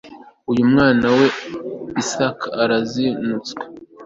uyu mwana wa isaka arazinutswe